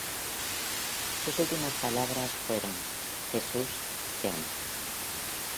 Sus últimas palabras fueron: "Jesús, te amo".